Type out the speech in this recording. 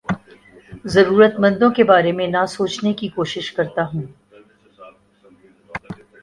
ضرورت مندوں کے بارے میں نہ سوچنے کی کوشش کرتا ہوں